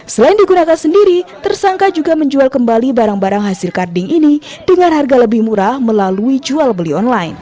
selain digunakan sendiri tersangka juga menjual kembali barang barang hasil karding ini dengan harga lebih murah melalui jual beli online